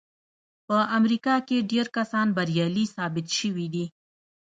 په امريکا کې ډېر کسان بريالي ثابت شوي دي.